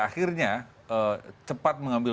akhirnya cepat mengambil